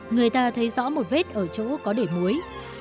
người ta thấy rõ một vết ở chỗ có để muối